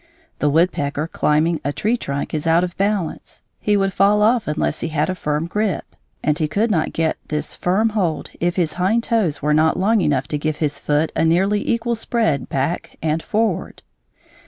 The woodpecker climbing a tree trunk is out of balance; he would fall off unless he had a firm grip; and he could not get this firm hold if his hind toes were not long enough to give his foot a nearly equal spread back and forward.